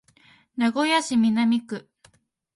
名古屋市南区